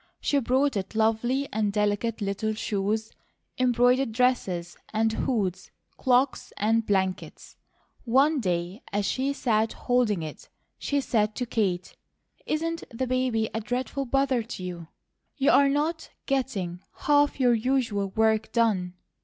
She brought it lovely and delicate little shoes, embroidered dresses and hoods, cloaks and blankets. One day as she sat holding it she said to Kate: "Isn't the baby a dreadful bother to you? You're not getting half your usual work done."